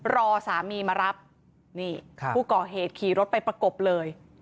รอสามีมารับนี่ผู้ก่อเหตุขี่รถไปประกบเลย